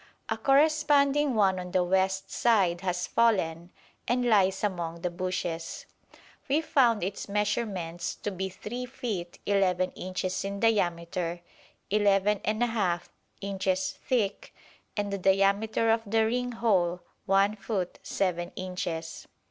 A corresponding one on the west side has fallen and lies among the bushes. We found its measurements to be 3 feet 11 inches in diameter, 11 1/2 inches thick, and the diameter of the ringhole 1 foot 7 inches.